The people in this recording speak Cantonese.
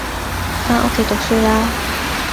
返屋企讀書啦